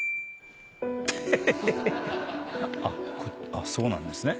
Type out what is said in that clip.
あっそうなんですね。